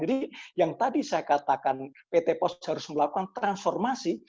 jadi yang tadi saya katakan pt pos harus melakukan transformasi